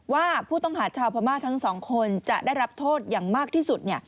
ว่าผู้ต้องหาชาวพม่าทั้งสองคนจะได้รับโทษอย่างมากที่สุด